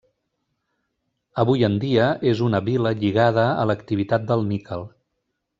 Avui en dia, és una vila lligada a l'activitat del níquel.